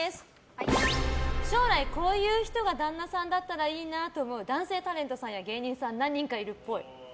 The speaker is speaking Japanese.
将来こういう人が旦那さんだったらいいなと思う男性タレントさんや芸人さんが何人かいるっぽい。